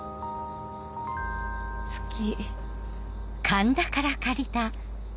好き。